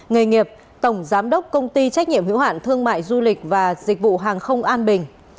nghề nghiệp tổng giám đốc công ty trách nhiệm hữu hạn thương mại du lịch và dịch vụ hàng không an bình